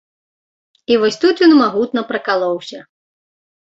І вось тут ён магутна пракалоўся.